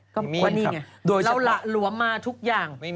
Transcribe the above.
ก็นี่ไงโดยเราหละหลวมมาทุกอย่าง